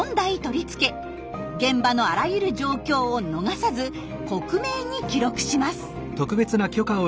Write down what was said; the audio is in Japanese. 現場のあらゆる状況を逃さず克明に記録します。